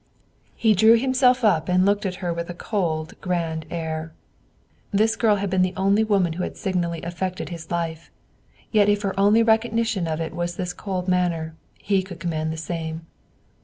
He drew himself up and looked at her with a cold, grand air. This girl had been the only woman who had signally affected his life; yet if her only recognition of it was this cold manner, he could command the same.